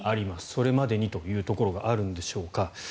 それまでにというところがあるんでしょうか。